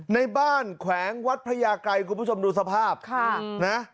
ในบ้านแขวงวัดพระยาไกรคุณผู้ชมดูสภาพค่ะนะ